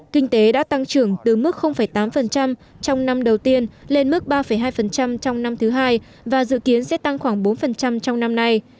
kinh tế đã tăng trưởng từ mức tám trong năm đầu tiên lên mức ba hai trong năm thứ hai và dự kiến sẽ tăng khoảng bốn trong năm nay